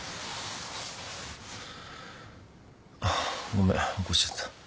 ごめん起こしちゃった。